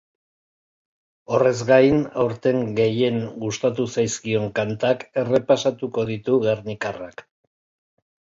Horrez gain, aurten gehien gustatu zaizkion kantak errepasatuko ditu gernikarrak.